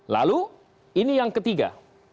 lalu ini yang ketiga